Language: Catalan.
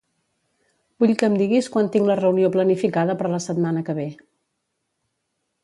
Vull que em diguis quan tinc la reunió planificada per la setmana que ve.